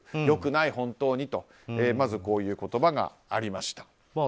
良くない、本当にとまずこういう言葉がありました。